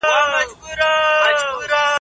یو ښایسته سړی چې اوږده ږیره یې وه ډنډ ته راغی.